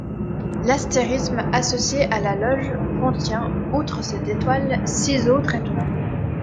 L'astérisme associé à la loge contient, outre cette étoile, six autres étoiles.